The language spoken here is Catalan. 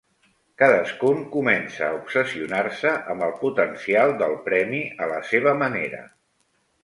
Cadascun comença a obsessionar-se amb el potencial del premi a la seva manera.